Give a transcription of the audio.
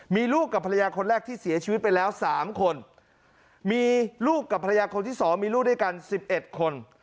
มีลูกกับภรรยาคนแรกที่เสียชีวิตไปแล้ว๓คนมีลูกกับภรรยาคนที่สองมีลูกด้วยกัน๑๑คน